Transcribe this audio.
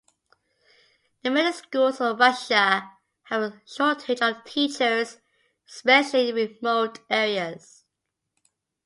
Many schools in Russia have a shortage of teachers, especially in remote areas.